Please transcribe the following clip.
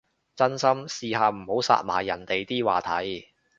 真心，試下唔好殺埋人哋啲話題